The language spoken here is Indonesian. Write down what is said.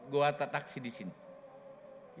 gua taksi di sini